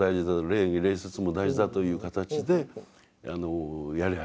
礼儀礼節も大事だという形でやり始めた。